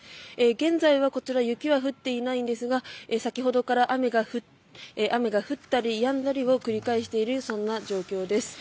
現在はこちら雪は降っていないんですが先ほどから雨が降ったりやんだりを繰り返しているそんな状況です。